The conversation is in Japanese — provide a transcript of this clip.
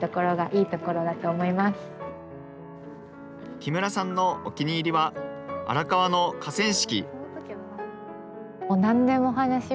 木村さんのお気に入りは、荒川の河川敷。